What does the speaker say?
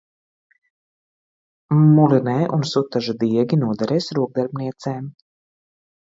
Mulinē un sutaža diegi noderēs rokdarbniecēm.